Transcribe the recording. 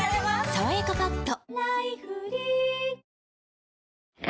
「さわやかパッド」